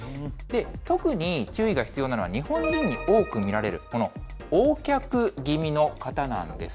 特に注意が必要なのは、日本人に多く見られるこのＯ脚気味の方なんです。